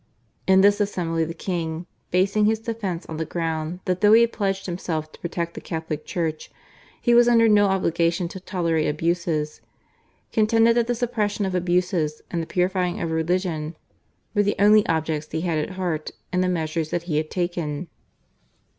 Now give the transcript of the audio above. In this assembly the king, basing his defence on the ground that though he had pledged himself to protect the Catholic Church he was under no obligation to tolerate abuses, contended that the suppression of abuses and the purifying of religion were the only objects he had at heart in the measures that he had taken.